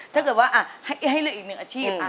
ถ้าเกิดว่าให้เลือกอีกหนึ่งอาชีพ